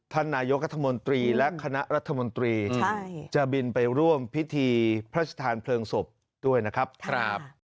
ท่านนายกรัฐมนตรีและคณะรัฐมนตรีจะบินไปร่วมพิธีพระชธานเพลิงศพด้วยนะครับ